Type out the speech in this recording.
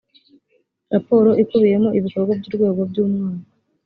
raporo ikubiyemo ibikorwa by urwego by umwaka